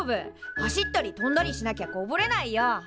走ったりとんだりしなきゃこぼれないよ。